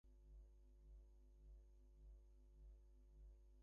Dusk was next seen being held captive by the Puppet Master.